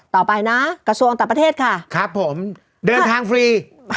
ต่อไปนะกระทรวงต่างประเทศค่ะครับผมเดินทางฟรี